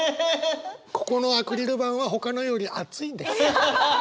ここのアクリル板はほかのより厚いんです。